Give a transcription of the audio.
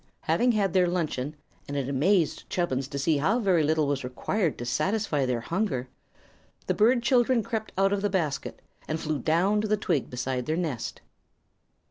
Having had their luncheon and it amazed Chubbins to see how very little was required to satisfy their hunger the bird children crept out of the basket and flew down to the twig beside their nest.